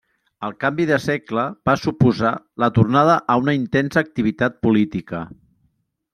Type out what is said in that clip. El canvi de segle va suposar la tornada a una intensa activitat política.